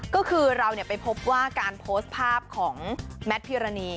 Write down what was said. ก็คือเราไปพบว่าการโพสต์ภาพของแมทพิรณี